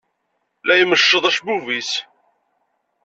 La imecceḍ acebbub-is.